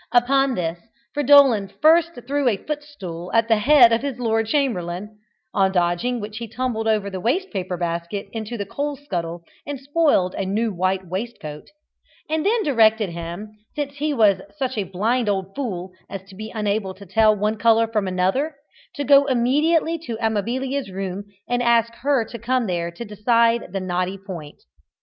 Upon this Fridolin first threw a footstool at the head of his lord chamberlain on dodging which he tumbled over the waste paper basket into the coal scuttle, and spoiled a new white waistcoat and then directed him, since he was such a blind old fool as to be unable to tell one colour from another, to go immediately to Amabilia's room and ask her to come there and decide the knotty point.